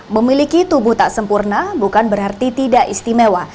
memiliki tubuh tak sempurna bukan berarti tidak istimewa